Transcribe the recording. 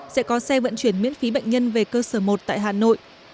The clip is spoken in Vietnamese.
sẽ có xe vận chuyển miễn phí bệnh nhân về cơ sở một tại hà nội